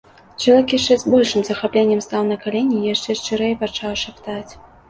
Чалавек яшчэ з большым захапленнем стаў на калені і яшчэ шчырэй пачаў шаптаць.